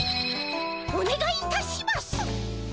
おねがいいたします！